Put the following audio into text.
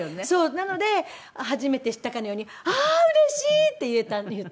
なので初めて知ったかのように「ああうれしい！」って言ったんですけどね。